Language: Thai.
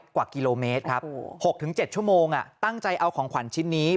กว่ากิโลเมตรครับ๖๗ชั่วโมงตั้งใจเอาของขวัญชิ้นนี้